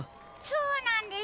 そうなんです。